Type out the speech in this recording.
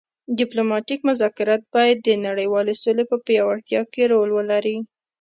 ډیپلوماتیک مذاکرات باید د نړیوالې سولې په پیاوړتیا کې رول ولري